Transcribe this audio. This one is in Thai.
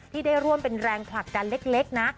ที่ได้ร่วมเป็นแรงผลักดันเล็กนะ